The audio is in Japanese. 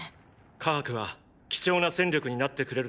カハクは貴重な戦力になってくれるだろう。